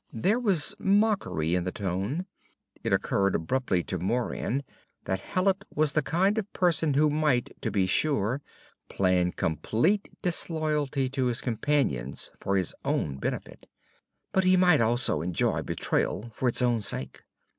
There was mockery in the tone. It occurred abruptly to Moran that Hallet was the kind of person who might, to be sure, plan complete disloyalty to his companions for his own benefit. But he might also enjoy betrayal for its own sake.